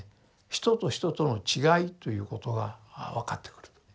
人と人との違いということが分かってくると。